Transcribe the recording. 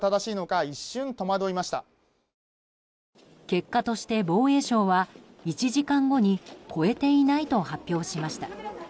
結果として防衛省は１時間後に越えていないと発表しました。